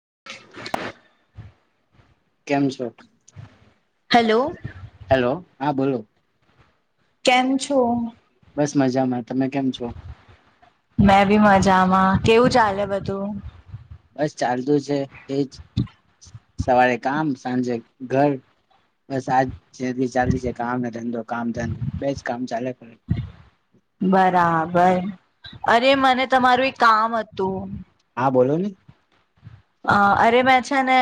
[inaudible] કેમ છે? Hello hello હા બોલો. કેમ છો? બસ મજામાં તમે કેમ છો? મેં બી મજામાં કેવું ચાલે બધું? બસ ચાલતું છે એજ સવારે કામ સાંજે ઘર બસ આજગી ચાલતી છે કામ ને ધંધો કામ ધંધો બે જ કામ ચાલ્યા કરે. બરાબ બર અરે મને તમારું એક કામ હતું. હા બોલો ને. અ અરે મૈં છે ને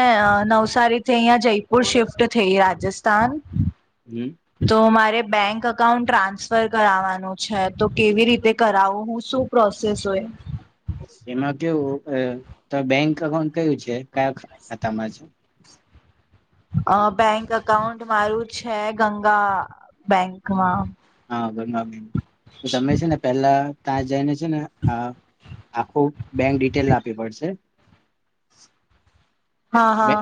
નવસારીથી અઇયા જઇપુર શિફ્ટ થઈ રાજસ્થાન હમ તો મારે બૅન્ક અકાઉન્ટ ટ્રાન્સફર કરાવવાનું છૈ તો કેવી રીતે કરાવું હું સું પ્રોસેસ હોય? એમાં કેવુ અ તો બેંક અકાઉન્ટ કયું છે કયા ખા ખાતામાં છે? અ બૅન્ક અકાઉન્ટ મારું છે ગંગા બૅન્કમાં. હા ગરમા ભી તો તમે છે ને પહેલા ત્યાં જઈને છે ને આખું બેંક ડિટેલ આપવી પડસે હા હા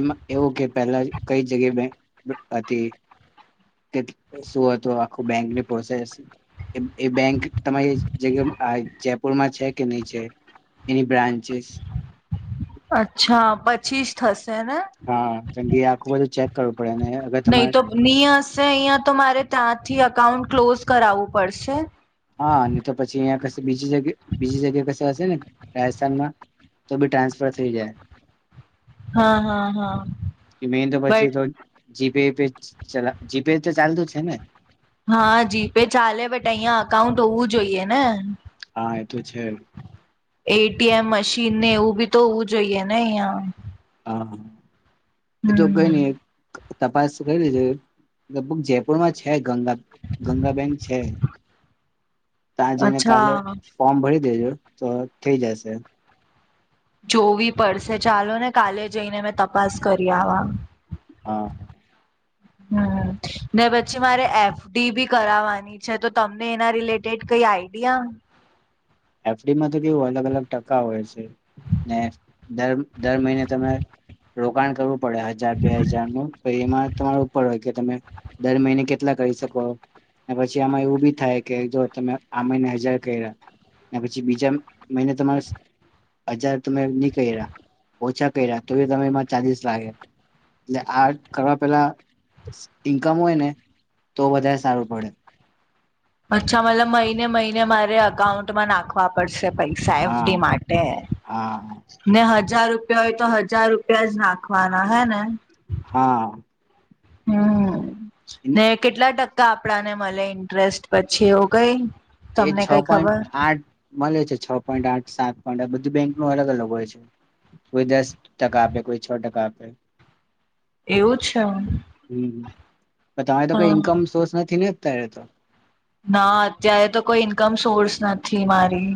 એમાં એવું કે પહેલા કઈ જગ્યા બૅન્ક હતી કે સું હતું આખું બેંકની પ્રોસેસ એ બેંક તમારી જગ્યા આ જયપુરમાં છે કે નહી છે એની બ્રાન્ચ અચ્છા પ છીશ ઠસ હા ચંગી આખું બધું ચેક કરવું પડે અને અગર નહી તમારે તો નીઅસ જે અહિયાં તો મારે ત્યાંથી અકાઉન્ટ ક્લોઝ કરાવવું પડશે. હા ની તો પછી અહીંયા કસી બીજી જગ બીજી જગ્યા કસે હસે ને રાજસ્થાનમાં તો બી ટ્રાન્સફર થઈ જાય. હા હા હા એ મેન તો પછી બટ તો જીપે પે ચલા જીપે તો ચાલતું છે ને? હા જી પે ચાલે બટ અહિયાં અકાઉન્ટ હોવું જોઈએ ને. હા એ તો છે. એટીએમ મશીનને એવું બી તો હોવું જોઈએ ને અહિયાં. હા. એ તો કઈ હમ નઈ તપાસ કરી લે લગભગ જયપુરમાં છે, ગંગા ગંગાબેન્ક છે. તાં જઈને કાલે અચ્છા ફોર્મ ભરી દેજો. તો થઈ જશે. જોવી પડસે ચાલો ને કાલે જઈને મેં તપાસ કરી આવા. હા હ. હમ ને પછી મારે એફડી બી કરાવવાની છે તો તમને એના રિલેટેડ કઈ આઈડિયા એફડીમાં તો કેવું અલગ અલગ ટકા હોય છે ને દર દર મહિને તમે રોકાણ કરવું પડે હજાર બે હજારનું એમાં તમારા ઉપર હોય કે તમે દર મહિને કેટલા કરી શકો પછી આમાં એવું બી થાય કે જો તમે આ મહિને હજાર કઇરા પછી બીજા મહિને તમારે હજાર તમે ની કઇરા ઓછા કઇરા તો તમે એમાં ચાજીસ લાગે એલે આ કરવા પેલા ઈન્કમ હોય ને તો વધારે સારું પડે અચ્છા મતલબ મહિને મહિને મારે અકાઉન્ટમાં નાખવા પડશે. પૈસા એફડી હા માટે હા હજાર રૂપિયા હોય તો હજાર રૂપિયા જ નાખવાના હે ને? હા. હમ. ને કેટલા ટકા આપડાને મલે ઇન્ટરેસ્ટ પછી એવુ કઈ એ તમને કઈ છ પોઈન્ટ ખબર આઠ મળ્યો છે છ પોઈન્ટ આઠ સાત પણ બધું બેંકનું અલગ અલગ હોય છે કોઈ દસ ટકા આપે કોઈ છ ટકા આપે એવું છે હ? તમારે તો કોઈ ઈન્કમ સોર્સ નથી ને ત્યારે તો ના અત્યારે તો કોઈ ઇન્કમ સોર્સ નથી મારી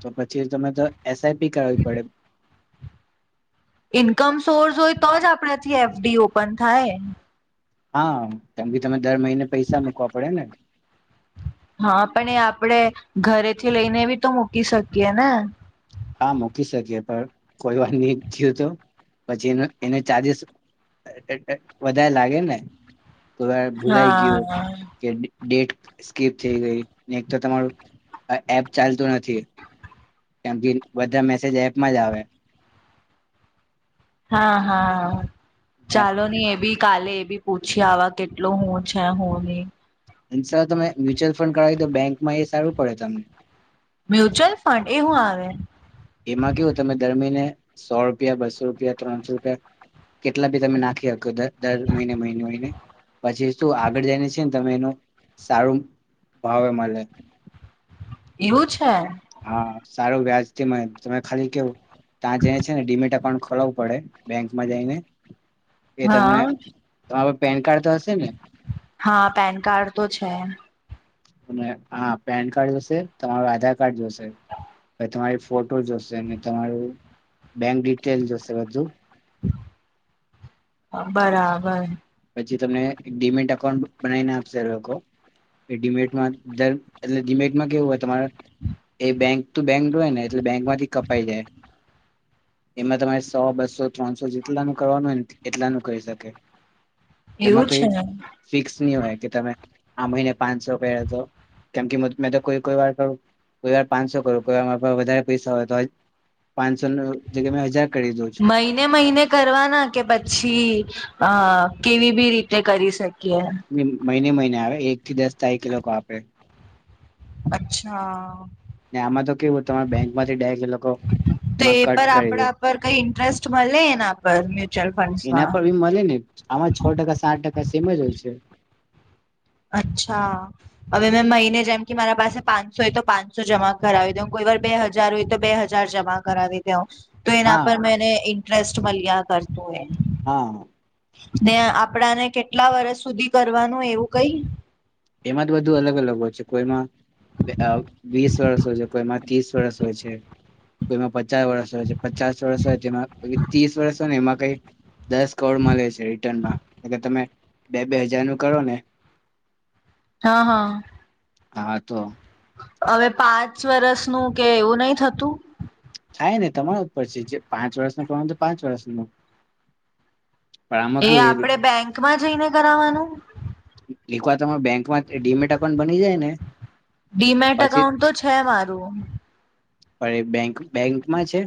તો પછી તમે તો એસઆઈપી કરવી પડે. ઇન્કમ સોર્સ હોય તો જ આપણાથી એફડી ઓપન થાય. હા કેમ કે તમે દર મહિને પૈસા મુકવા પડે ને. હા પણ એ આપણેે ઘરેથી લઈને બી તો મૂકી શકીએ ને હા મકી શકીએ પણ કોઈ વાર નહી થયું તો પછી એ એને ચાર્જસ વધારે લાગે ને તો ભૂલાઈ ગયો હા કે ડેટ સ્કીપ થઈ ગઈ ને એક તો તમારું એપ ચાલતું નથી કેમ કે બધા મેસેજ એપમાં જ આવે. હા હા ચાલો ની એ બી કાલે એ બી પૂછી આવા કેટલું હું છે હું નહી એ સર તમે મ્યુચ્યુઅલ એમ કરાય તો બેંકમાં એ સારું પડે તમને મ્યુચ્યુઅલ ફંડ એ હું આવે એમાં કેવું તમે દર મહિને સો રૂપિયા બસો રૂપિયા ત્રણસો રૂપિયા કેટલા ભી તમે નાખી આપ્યો ત દર મહિને મહિને મહિને પછી શું આગળ જઈ છે ને તમે એનું સારું ભાવે મળે. એવું છે. હા સારું વ્યાજથી મ તમે ખાલી કેવું તા જાય છે ને ડીમેટા પણ ખોલાવું પડે બેંકમાં જઈને એ તમને હા આવક પેન કાર્ડ તો હશે ને? હા પેન કાર્ડ તો છે. અને હા પેન કાર્ડ જોશે તમારું આધાર કાર્ડ જોશે પ તમારી ફોટો જોશે તમારું બેંક ડિટેલ જોશે બધુ બરાબર પછી તમને ઈ ડીમેન્ટ એકાઉન્ટ બનાવીને આપશે એ લોકો એ ડિમેટમાં એટલે ડિમેટમાં કેવું હોય તમારે એ બેંક બેંક હોયને એટલે બેંકમાંથી કપાઈ જાય એમાં તમારે સો બસો ત્રણસો જેટલાનું કરવાનું હોય ને એટલાનું કરી શકે એમાં એવું કઈ છે ફિક્સ નહી હોય કે તમે આ મહિને પાંચસો કર્યા હતો કેમ કે મે તો કોઈ કોઈ વારુ કોઈ વાર પાંચસો કરું કોઈ વાર વધારે પૈસા હોય તો પાંચ મહિને મહિને કરવાના કે પછી અ કેવી બી રીતે કરી શકે. કે. મહિને મહિને આવે એક થી દસ તારીખ ઈ લોકો આપે. અચ્છા. ને આમાં તો કેવું તમારા બેંક માંથી ડાયરેક એ લોકો એમાં કટ કરી દેય મલે એના પર મ્યુચ્યુઅલ એના ફંડ્સમાં પર બી મળે ને આમાં છ ટકા સાત ટકા સેમ જ હોય છે. અચ્છા હવે મેં મહિને જેમ કે મારા પાસે પાંચસો હોય તો પાંચસો જમા કરાવી દઉં કોઈ વાર બે હજાર હોય તો બે હજાર જમા કરાવી દઉં. તો એના પર હા મેને ઈ ટ્રસ્ટ મલ્યા કરતો એ. હા. ને આપડાને કેટલા વર્ષ સુધી કરવાનું એવુ કઈ. એમાં જ બધું અલગ અલગ હોય છે કોઈમાં વીસ વર્ષ હો છે કોઈમાં ત્રીસ વરસ હોય છે કોઈમાં પચાસ વરસ હોય છે પચાસ વર્ષ હોય જેમાં ત્રીસ વર્ષ હોય ને એમાં કઈ દસ કારોડ મલે છે રિટર્નમાં. એટલે તમે બે બે હજાર નું કરો ને હા હા. હા તો. હવે પાંચ વરસ નું કે એવું નહી થતું. કાંઈ નઈ તમારા ઉપર છે જે પાંચ વર્ષ ન કરવા હોય તો પાંચ વર્ષ ન એ આપણે બેંકમાં જઈને કરાવાનું. એક વાર તમારે બેંકમાં ડીમેટ અકાઉન્ટ બની જાય ને ડીમેટ પછી અકાઉન્ટ તો છે મારું. અ બેંક બેંક માં છે.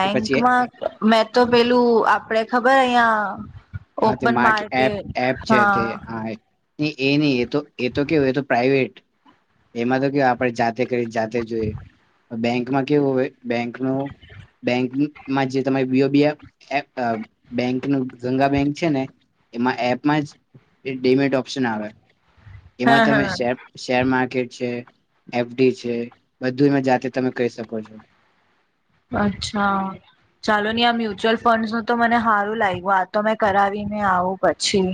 કે પછી મેં તો પેલું આપડે ખબર અહિયા હા તે મા એપ એપ છે તે હા. એ નહી એ એ તો કેવું એ તો પ્રાઈવેટ એમાં તો કેવય આપણે જાતે કરી જાતે જોઈએ બેંકમાં કેવું હો બેંકનો બેંકમાં જે તમા બીજ બી બેંક ગંગા. છે ને એમાં એપમાં જ ડિમેટ ઓપ્શન આવે. હા એમાં તમે હા શે શેર માર્કેટ. છે એફડી છે બધું એમાં જાતે તમે કરી શકો છો. અચ્છા ચાલો હી આ મ્યુચ્યુઅલ ફંડસનું તો મને સારું લાગ્યું આ તો મેં કરાવી ને આવું પછી.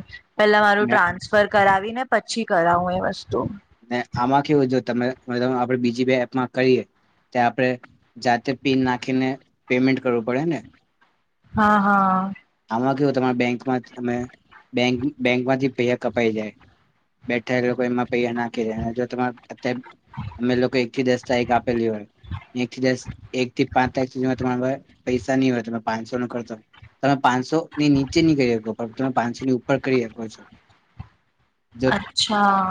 પેલા મારું મે ટ્રાન્સફર કરાવી ને. પછી કરાવું એ વસ્તુ. ને આમાં કેવું જો ત આપણે બીજી બેી એપમાં કરીએ ત આપણે જાતે પિન નાખીને પેમેન્ટ કરવું પડે ને. હા, હા. આમા કેવુ તમા બેંકમાં અમે બેંક બેંકમાંથી પૈહા કપાઈ જાય, બેઠ્ઠા એ લોકો એમાં પૈહા નાંખે અ જો તમા અત્યારે અમે લોકો એક થી દસ તારીખ આપેલી હોય, એક થી દસ એક થી પાંચ તારીખ સુધીમા તમા પૈસા ની હોય, તો તમા પાંચસો નો ખર્ચો. તમે પાંનસોની નીચે ની કરી હકો પણ તમે પાંનસોની ઉપર કરી હકો છોશ અચ્છા.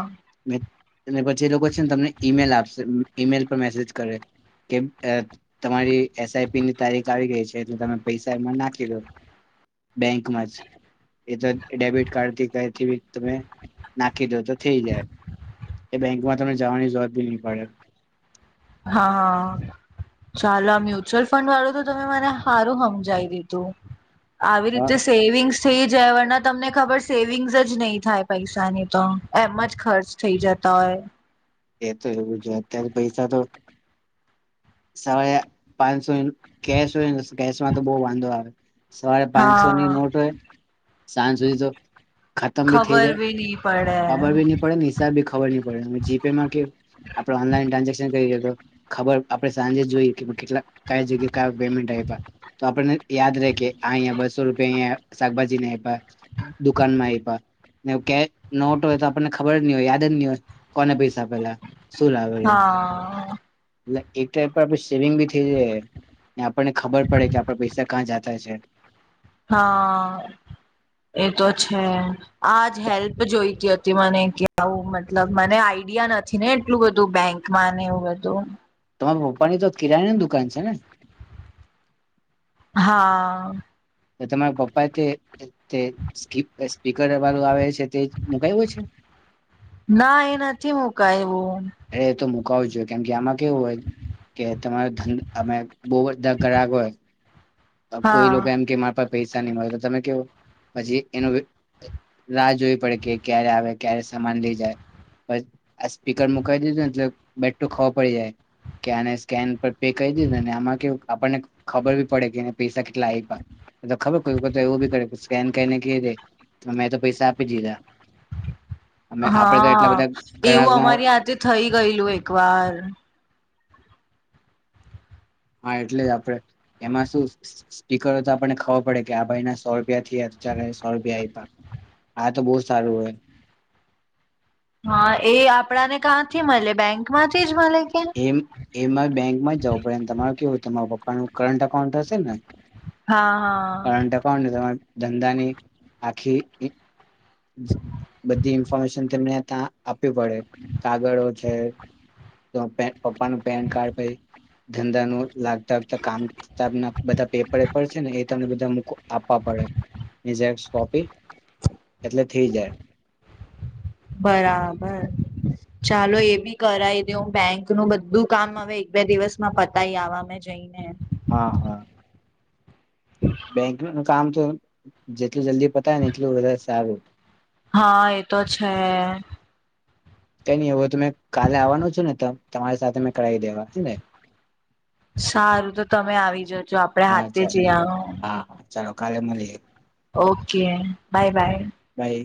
અને પછી એ લોકો છે ને તમને ઈમેલ આપશે. ઈમેલ પર મેસેજ કરે કે અ તમારી એસ આઈ પી ની તારીખ આવી ગેઈ છે એટલે તમે પૈસા એમાં નાંખી દો. બેંકમાં જ, એ તો એ ડેબિટ કાર્ડથી કયથી બી તમે નાંખી દો તો થેઈ જાય, એ બેંકમાં તમને જવાની જરૂરત બી ની પડે. હાં, ચાલો આ મ્યુચ્યુઅલ ફંડવાળું તો તમે મને હારું હમજાઈ દીધું. આવી હા રીતે સેવિંગસ થી જ ના તમને ખબર સેવિંગ્સ જ નઈ થાય પૈસાની તો, એમ જ ખર્ચ થઈ જતા હોય. એ તો એવું જ [unintelligible] પૈસા તો [unintelligible] પાંનસો [unintelligible] કેશ હોય ને કેશમાં તો બઉ વાંધો આવે. સવારે પાંનસો ની હા નોટ હોય સાંજ સુધી તો ખતમ થઈ ખબર જાય બી ની ખબર બી ની પડે, ને હિશા બી ખબર ની પડે, તમે જી પે માં કે આપણો ઓનલાઈન ટ્રાન્ઝેક્શન [unintelligible] તો ખબર આપડે સાંજે જોઈએ કે કેટલા કયા જગ્યા કયા પેમેન્ટ આય્પા, તો આપણને યાદ રે કે આંયા બસો રૂપિયા અંયા શાકભાજીને આય્પા, દુકાનમાં આય્પા ને કે નોટ હોય તો આપણને ખબર જ ની હોય યાદ જ ની હોય કોને પૈસા આપેલા. હાં. ને એક ટાઈમ પર આપે સેવિંગ બી થેઈ જાય ને આપ આપણને ખબર પડે કે આપણા પૈસા કાં જા થાય છે. હાં, એતો છે, આજ હેલ્પ જોઈતી અતી મને કે આવું મતલબ મને આઈડિયા નથી ને એટલું બધું બેંકમાં ને એવું બધું. તમારા પપ્પાની તો કિરાણાની દુકાન છે ને? હા. તે તમારા પપ્પાએ તે તે સ્પી સ્પીકર વાળું આવે છે તે જ મુકાય્વુ છે? કાયવું એ તો મુ કાવુ જોઈએ, કેમ કે આમાં કેવું હોય કે તમારે ધંધ અમે બઉ બધા ગરાક હોય અ કોઈ હા લોકો એમ કે મારા પાહે પૈસા ની મળે તો તમે કેવો પછી એનું બી રાહ જોવી પડે કે ક્યારે આવે ક્યારે સમાન લેઇ જાય, પછ આ સ્પીકર મુકાવી દીધુંને એટલે બેટું ખબર પડી જાય કે આને સ્કેન પર પે કરી દીધુંને આમાં કેવુ આપણને ખબર બી પડે કે પી શકે. એટલા આય્પા, નઈ તો ખબર કોઈ વખત તો એવું બી કરે કે સ્કેન ગેઈને કેય દે, મેં તો પૈસા આપી દીધા. અમે આપડે તો એટલા હા બધા એવું ગ્રાહકમાં અમારી હાથે થઇ ગયેલું એક વાર હા એટલે જ આપડણે એમાં શું સ્પીકરો તો આપણને ખબર પડે કે આ ભાઈના સો રૂપિયા થી અ ચ સો રૂપિયા આપ્યા આ તો બહુ સારું હા એ આપડાને કાંથી મળે બેંક માંથી જ મળે કે એમ એમ બેંકમાં જવું પડે તમાર કેવું તમારા પપ્પાનું કર એકાઉન્ટ હશે ને હા હા કરંટ એકાઉન્ટ ને ધંધાની આખી [unintelligible] ઇન્ફોરમેશન મળ્યા હતા. પડે કાગળો છે પપ્પા ન પેન કાર્ડ પ ધંધા ન લાગતાતા કામના બધા પેપરપર છે ને તમને બધા મૂકો આપવા પડે ઝેસકોપી એટલે થઈ જાય બરાબર ચાલો એ બી કરાઈ દેવ બેંકનું બધું કામ હવે એક બે દિવસમાં પતાય આવા મેમે જઈને હા હા. બેંકનું કામ તો એટલું જલ્દી પતાયને એટલું વધારે આવે હા એ તો છે. તેની તમે કાલે આવવાનો છો ને ત તમારી સાથે મેં કરાવી દેવા છે ને સારું તો તમે આવી જાજો આપડે હા હાથે ચાલ જયા હા હા ચાલો કાલે મળીએ. Okay bye bye. બાય